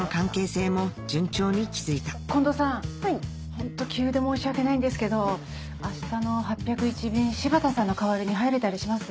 ホント急で申し訳ないんですけどあしたの８０１便柴田さんの代わりに入れたりします？